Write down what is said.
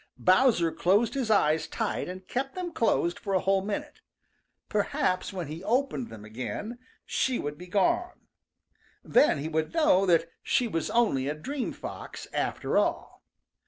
Bowser closed his eyes tight and kept them closed for a whole minute. Perhaps when he opened them again, she would be gone. Then he would know that she was only a dream fox, after all.